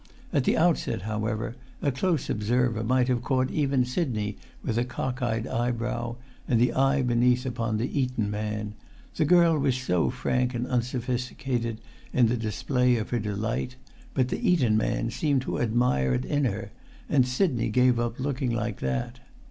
At the outset, however, a close observer might have caught even Sidney with a cocked eyebrow, and the eye beneath upon the Eton man; the girl was so frank and unsophisticated in the display of her delight; but the Eton man seemed to admire it in her, and Sidney gave up looking like that.